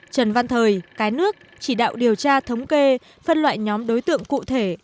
trần văn thời cái nước chỉ đạo điều tra thống kê phân loại nhóm đối tượng cụ thể